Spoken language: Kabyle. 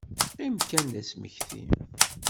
Qqim kan d asmekti.